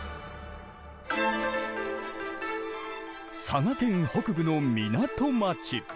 佐賀県北部の港町。